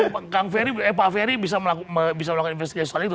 kalau pak ferry bisa melakukan investigasi soal itu